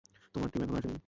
তোমার টিম এখনও আসেনি?